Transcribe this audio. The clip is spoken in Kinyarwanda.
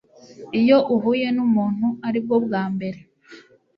Iyo uhuye numuntu ari bwo bwa mbere